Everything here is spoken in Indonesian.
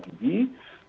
kemudian di tahun